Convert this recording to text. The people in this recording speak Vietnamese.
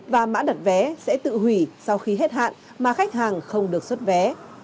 và mã đặt vé sẽ tự hủy sau khi hết hạn mà khách hàng không được xuất vé